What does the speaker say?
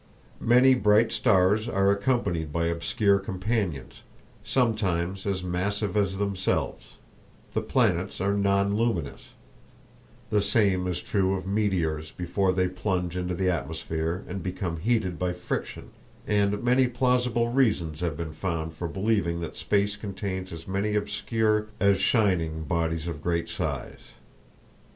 Many bright stars are accompanied by obscure companions, sometimes as massive as themselves; the planets are non luminous; the same is true of meteors before they plunge into the atmosphere and become heated by friction; and many plausible reasons have been found for believing that space contains as many obscure as shining bodies of great size.